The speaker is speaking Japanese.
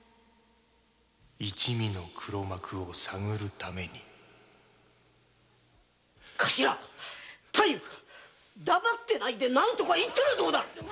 一味の黒幕を探るために頭太夫黙ってないで何とか言ったらどうだ。